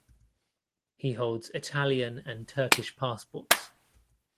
He holds Italian and Turkish passports.